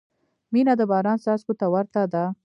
• مینه د باران څاڅکو ته ورته ده.